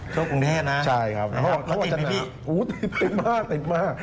ช่วงกรุงเทพนะใช่ครับรถติดไหมพี่อู้วติดมากติดมาก